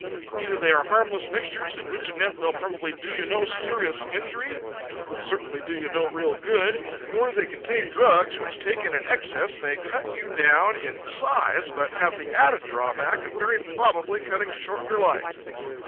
Either they are harmless mixtures, in which event they'll probably do you no serious injury, but will certainly do you no real good; or else they contain drugs which, taken to excess, may cut you down in size, but have the added drawback of very probably cutting short your life.